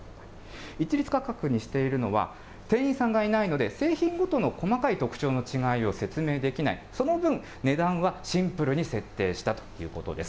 一律価格にしているのは、店員さんがいないので製品ごとの細かい特徴の違いを説明できない、その分、値段はシンプルに設定したということです。